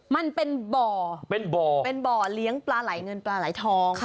มันเป็นบ่อเป็นบ่อเป็นบ่อเลี้ยงปลาไหลเงินปลาไหลทอง